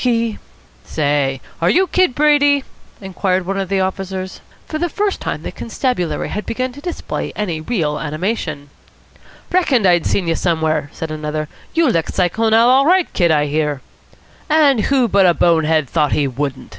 He " "Say, are you Kid Brady?" inquired one of the officers. For the first time the constabulary had begun to display any real animation. "Reckoned I'd seen you somewhere!" said another. "You licked Cyclone Al. all right, Kid, I hear." "And who but a bone head thought he wouldn't?"